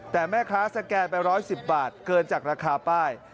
แต่แม่ค้าสแกนไป๑๑๐บาทเกินจากราคาป้าย